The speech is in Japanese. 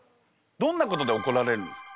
どんなことでおこられるんですか？